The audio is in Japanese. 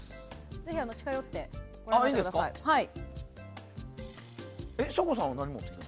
ぜひ近寄ってご覧ください。